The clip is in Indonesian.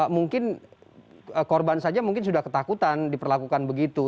mungkin korban saja mungkin sudah ketakutan diperlakukan begitu